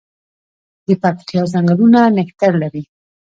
د پکتیا ځنګلونه نښتر دي